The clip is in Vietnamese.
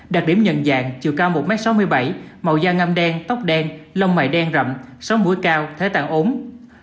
đặc điểm nhận dạng chiều cao một m sáu mươi bảy màu da hơi ngâm đen tóc đen lông mày đen rậm sống mũi cao thế tạng trung bình